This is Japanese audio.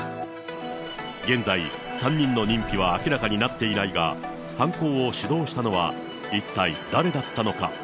現在、３人の認否は明らかになっていないが、犯行を主導したのは一体誰だったのか。